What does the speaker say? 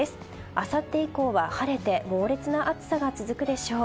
あさって以降は晴れて猛烈な暑さが続くでしょう。